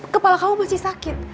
kepala kamu masih sakit